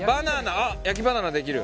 あっ、焼きバナナできる。